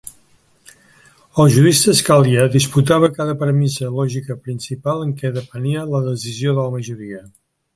El jurista Scalia disputava cada premissa lògica principal en què depenia la decisió de la majoria.